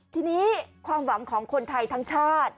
ทีนี้ความหวังของคนไทยทั้งชาติ